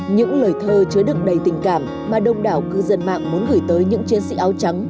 những lời thơ chứa được đầy tình cảm mà đông đảo cư dân mạng muốn gửi tới những chiến sĩ áo trắng